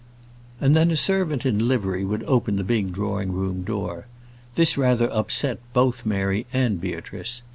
And then a servant in livery would open the big drawing room door. This rather upset both Mary and Beatrice.